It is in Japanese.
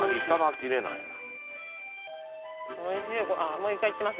もうイカいってます？